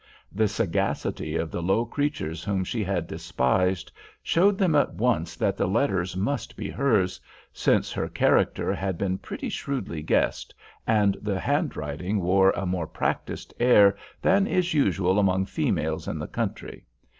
The sagacity of the low creatures whom she had despised showed them at once that the letters must be hers, since her character had been pretty shrewdly guessed, and the handwriting wore a more practised air than is usual among females in the country.